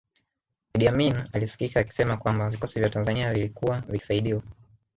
Idi Amin alisikika akisema kwamba vikosi vya Tanzania vilikuwa vikisaidiwa